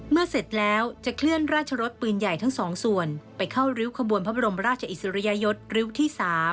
เสร็จแล้วจะเคลื่อนราชรสปืนใหญ่ทั้งสองส่วนไปเข้าริ้วขบวนพระบรมราชอิสริยยศริ้วที่๓